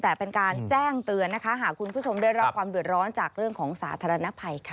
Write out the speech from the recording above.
แต่เป็นการแจ้งเตือนนะคะหากคุณผู้ชมได้รับความเดือดร้อนจากเรื่องของสาธารณภัยค่ะ